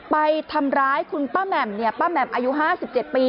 ไปทำร้ายคุณป้าแหม่มป้าแหม่มอายุ๕๗ปี